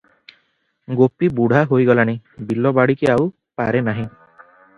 ଗୋପୀ ବୁଢ଼ା ହୋଇଗଲାଣି, ବିଲବାଡ଼ିକି ଆଉ ପାରେ ନାହିଁ ।